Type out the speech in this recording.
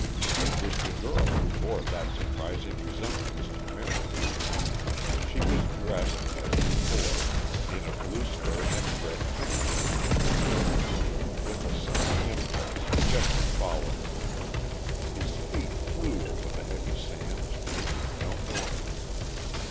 It was the girl who bore that surprising resemblance to Marion. She was dressed, as before, in a blue skirt and red tam o' shanter. With a sudden impulse Geoffrey followed. His feet flew over the heavy sands, making no noise.